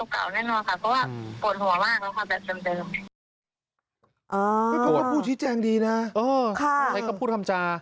เพราะว่าผู้ชิดแจงดีนะใครก็พูดคำจาค่ะค่ะ